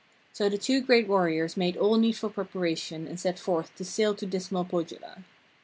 So the two great warriors made all needful preparation and set forth to sail to dismal Pohjola.